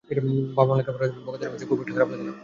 বাবা-মা লেখাপড়া নিয়ে বকা দিলেও তখন খুব একটা খারাপ লাগে না।